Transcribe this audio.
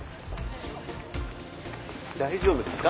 大丈夫ですか？